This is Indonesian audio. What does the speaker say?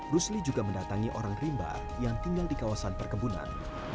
rusli juga mendatangi orang rimba yang tinggal di kawasan perkebunan